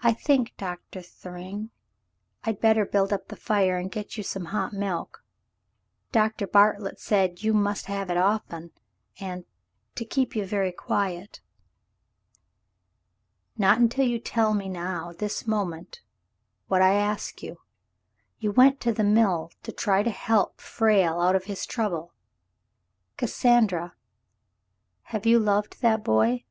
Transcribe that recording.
"I think. Doctor Thryng, I'd better build up the fire and get you some hot milk. Doctor Bartlett said you must have it often — and — to keep you very quiet." "Not until you tell me now — this moment — what I ask you. You went to the mill to try to help Frale out of his trouble. Cassandra, have you loved that boy